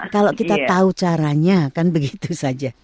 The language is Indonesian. kalau kita tahu caranya kan begitu saja